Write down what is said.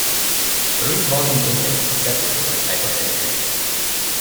The three-volume index is separated by type of entry.